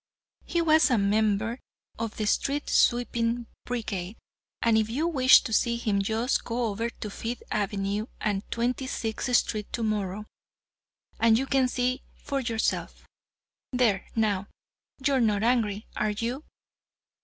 He was a member of the street sweeping brigade, and if you wish to see him just go over to Fifth avenue and Twenty sixth street tomorrow and you can see for yourself. There, now, you are not angry, are you?"